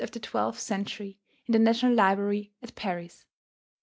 of the twelfth century, in the National Library at Paris.